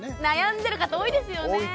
悩んでる方多いですよね。